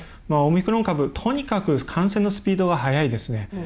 オミクロン株、とにかく感染のスピードが速いですね。